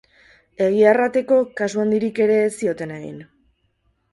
Egia errateko, kasu handirik ere ez zioten egin.